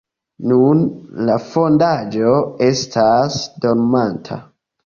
Nune, la fondaĵo estas dormanta.